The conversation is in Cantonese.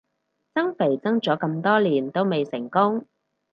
增肥增咗咁多年都未成功